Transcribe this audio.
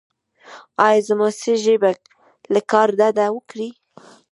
ایا زما سږي به له کار ډډه وکړي؟